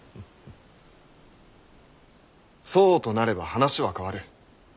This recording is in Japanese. そうとなれば話は変わる。